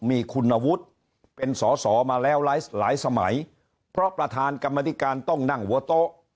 มีคุณวุฒิเป็นสอสอมาแล้วหลายหลายสมัยเพราะประธานกรรมธิการต้องนั่งหัวโต๊ะ